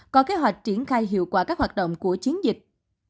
có kế hoạch triển khai hiệu quả các hoạt động của chiến dịch